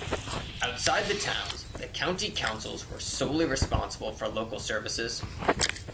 Outside the towns, the county councils were solely responsible for local services.